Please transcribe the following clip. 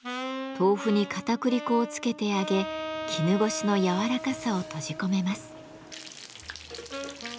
豆腐にかたくり粉をつけて揚げ絹ごしのやわらかさを閉じ込めます。